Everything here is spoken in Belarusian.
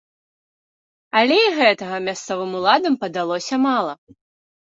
Але і гэтага мясцовым уладам падалося мала.